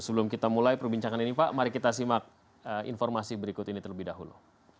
sebelum kita mulai perbincangan ini pak mari kita simak informasi berikut ini terlebih dahulu